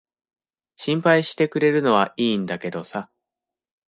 心配してくれるのは良いんだけどさ。